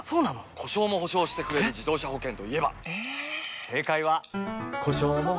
故障も補償してくれる自動車保険といえば？